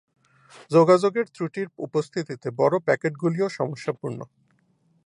যোগাযোগের ত্রুটির উপস্থিতিতে বড় প্যাকেটগুলিও সমস্যাপূর্ণ।